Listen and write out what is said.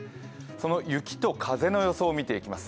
雪と風の予想を見ていきます。